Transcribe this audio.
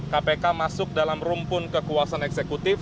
kpk masuk dalam rumpun kekuasaan eksekutif